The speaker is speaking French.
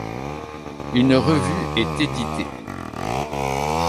Une revue est éditée.